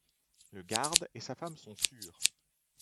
Le Garde et sa femme sont sûrs.